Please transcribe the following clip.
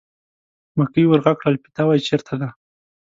مکۍ ور غږ کړل: پیتاوی چېرته دی.